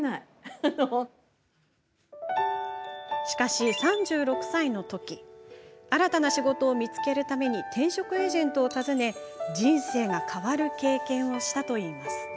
しかし、３６歳のとき新たな仕事を見つけるために転職エージェントを訪ね人生が変わる経験をしたといいます。